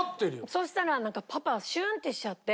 そしたらパパがシュンってしちゃって。